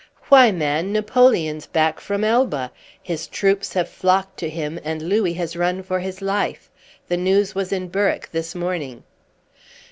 "Why, man, Napoleon's back from Elba, his troops have flocked to him, and Louis has run for his life. The news was in Berwick this morning."